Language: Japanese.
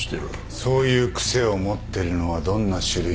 そういう癖を持ってるのはどんな種類の人物だ？